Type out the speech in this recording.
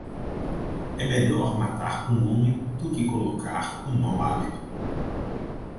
É melhor matar um homem do que colocar um mau hábito.